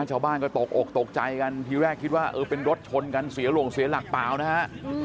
ชาวบ้านก็ตกอกตกใจกันทีแรกคิดว่าเออเป็นรถชนกันเสียหลงเสียหลักเปล่านะฮะ